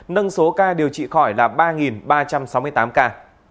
nâng số ca điều trị khỏi là ba ba trăm sáu mươi tám ca